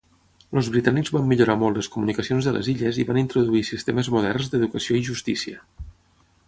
Els britànics van millorar molt les comunicacions de les illes i van introduir sistemes moderns d'educació i justícia.